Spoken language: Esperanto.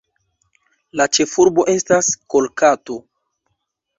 La ĉefurbo estas Kolkato.